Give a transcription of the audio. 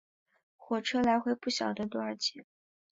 火车来回不晓得多少钱